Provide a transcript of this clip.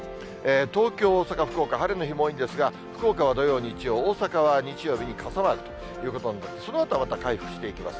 東京、大阪、福岡、晴れの日も多いんですが、福岡は土曜、日曜、大阪は日曜日に傘マークということで、そのあとは、また回復していきます。